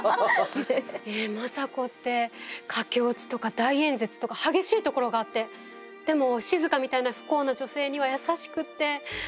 え政子って駆け落ちとか大演説とか激しいところがあってでも静みたいな不幸な女性には優しくって。